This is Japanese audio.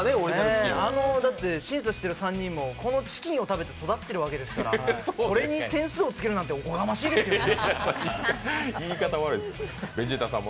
あの審査をしてる３人もこのチキンを食べて育っているわけですからこれに点数をつけるなんておこがましいですよね。